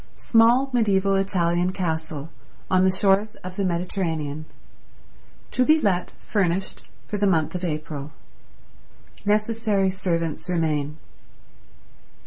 Small mediaeval Italian Castle on the shores of the Mediterranean to be Let furnished for the month of April. Necessary servants remain.